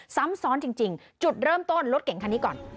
ซ้ำซ้อนจริงจุดเริ่มต้นรถเก่งคันนี้ก่อน